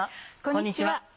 こんにちは。